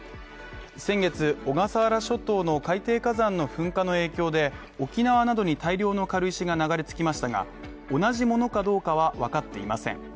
先月、小笠原諸島の海底火山の噴火の影響で、沖縄などに大量の軽石が流れ着きましたが同じものかどうかはわかっていません。